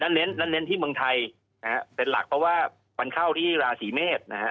เน้นที่เมืองไทยนะฮะเป็นหลักเพราะว่ามันเข้าที่ราศีเมษนะฮะ